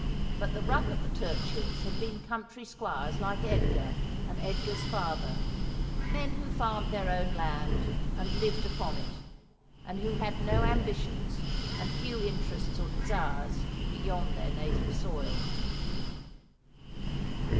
But the ruck of the Turchills had been country squires like Edgar, and Edgar's father ; men who farmed their own land and lived upon it, and who had no ambitions and few interests or desires beyond their native soil.